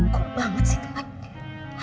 keren banget sih teman